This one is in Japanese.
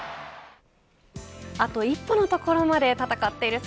あと一歩のところまで戦っている姿